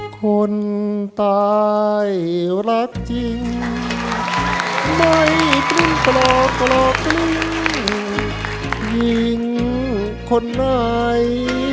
คนตายรักจริงไม่กลิ้นกลอบกลอบกลิ้นยิงคนร้าย